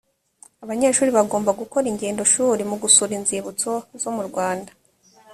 abanyeshuri bagomba gukora ingendoshuri mu gusura inzibutso zo mu rwanda